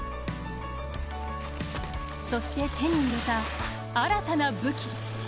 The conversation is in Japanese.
そして手に入れた、新たな武器。